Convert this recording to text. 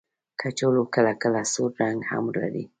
کچالو کله کله سور رنګ هم لري